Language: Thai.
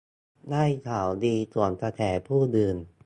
ได้ข่าวดีสวนกระแสผู้อื่น